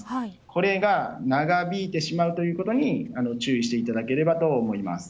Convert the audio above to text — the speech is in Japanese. これが長引いてしまうことに注意していただければと思います。